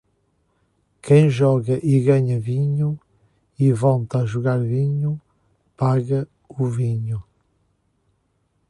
Quem joga e ganha vinho, e volta a jogar vinho, paga o vinho.